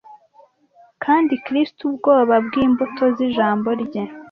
kandi kristo ubwoba bw'imbuto z'ijambo rye